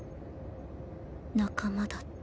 仲間だった。